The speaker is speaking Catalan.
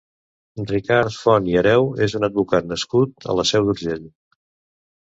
Ricard Font i Hereu és un advocat nascut a la Seu d'Urgell.